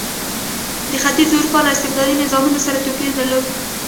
د ختیځې اروپا له استبدادي نظامونو سره توپیر درلود.